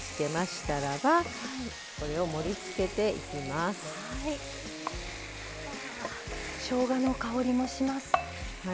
しょうがの香りもします。